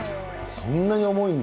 そんなに重いんだ。